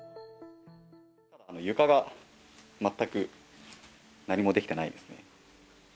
床が全く何も出来てないですね。